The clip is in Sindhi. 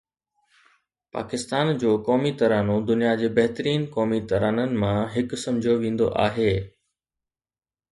پاڪستان جو قومي ترانو دنيا جي بهترين قومي ترانون مان هڪ سمجهيو ويندو آهي